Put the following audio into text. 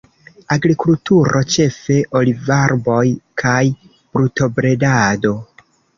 Agrikulturo, ĉefe olivarboj, kaj brutobredado.